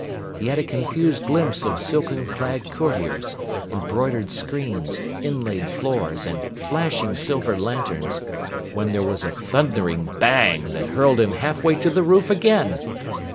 He had a confused glimpse of silken clad courtiers, embroidered screens, inlaid floors, and flashing silver lanterns, when there was a thundering bang that hurled him halfway to the roof again.